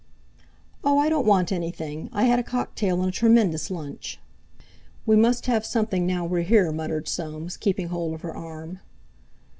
"Oh! I don't want anything. I had a cocktail and a tremendous lunch." "We must have something now we're here," muttered Soames, keeping hold of her arm.